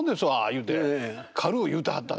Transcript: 言うて軽う言うてはったでしょ？